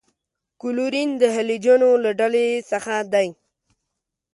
کلورین د هلوجنو له ډلې څخه دی.